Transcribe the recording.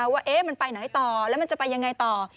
ว่ามันไปไหนต่อแล้วมันจะไปยังไงต่อ